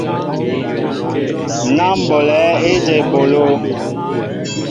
Ná ḿ ɓolɛέ éjem eɓoló.